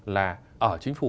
là ở chính phủ